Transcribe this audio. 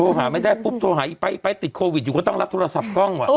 หาไม่ได้ปุ๊บโทรหาอีกไปไปติดโควิดอยู่ก็ต้องรับโทรศัพท์กล้องว่ะ